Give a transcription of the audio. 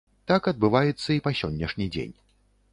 Так адбываецца і па сённяшні дзень.